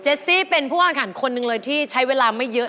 เจสซี่เป็นผู้อาหารคนนึงเลยที่ใช้เวลาไม่เยอะ